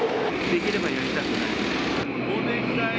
できればやりたくない。